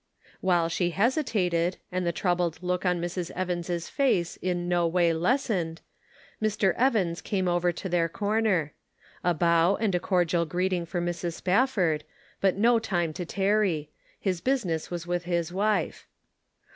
" While she hesitated, and the troubled look on Mrs. Evans' face in no way lessened, Mr. Evans came over to their corner. A bow and a cordial greeting for Mrs. Spafford, but no time to tarry ; his business was with his wife.